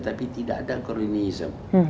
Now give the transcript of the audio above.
tapi tidak ada kronisme